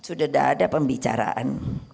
sudah tidak ada pembicaraan